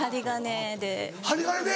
針金で。